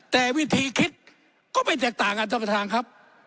แต่วิธีคิดก็ไม่แตกต่างกันท่านประธานครับ